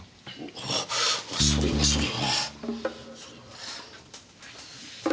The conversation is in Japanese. あそれはそれは。